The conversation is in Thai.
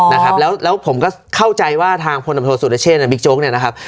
โอ้โเหอะวแล้วผมก็เข้าใจว่าทางพศสุรเชษฐ์บิ๊คโยกเนี่ยครับ